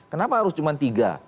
kenapa harus cuma tiga